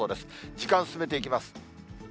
時間進めていきます。